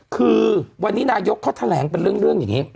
คือวันนี้นายกเขาแถลงเป็นเรื่องอย่างนี้